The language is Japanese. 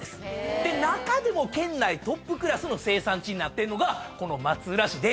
で中でも県内トップクラスの生産地になってんのがこの松浦市で。